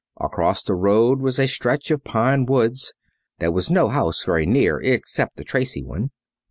Across the road was a stretch of pine woods. There was no house very near except the Tracy one.